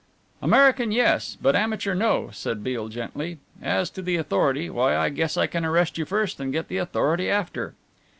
"American, yes; but amateur, no," said Beale gently. "As to the authority, why I guess I can arrest you first and get the authority after."